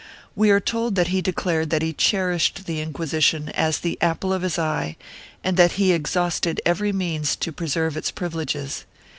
We are told that he declared that he cherished the Inquisition as the apple of his eye and that he exhausted every means to pre serve its privileges.